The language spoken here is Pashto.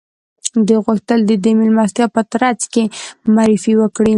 دوی غوښتل د دې مېلمستیا په ترڅ کې معرفي وکړي